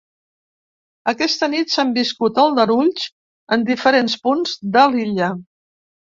Aquesta nit s’han viscut aldarulls en diferents punts de l’illa.